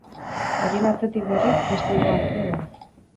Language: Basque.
Horien atzetik, berriz, beste hiru gazte doaz.